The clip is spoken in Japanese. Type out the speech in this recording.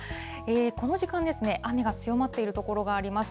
この時間ですね、雨が強まっている所があります。